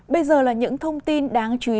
bây giờ là những thông tin đáng chú ý